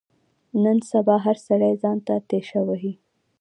نن سبا هر سړی ځان ته تېشه وهي.